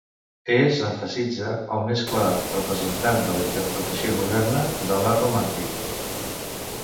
És, emfasitza, el més clar representant de la interpretació moderna de l'art romàntic.